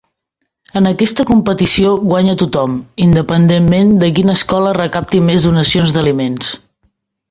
En aquesta competició guanya tothom, independentment de quina escola recapti més donacions d'aliments.